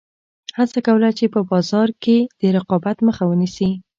هڅه کوله چې په بازار کې د رقابت مخه ونیسي.